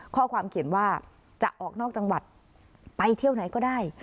ข้อความเขียนว่าจะออกนอกจังหวัดไปเที่ยวไหนก็ได้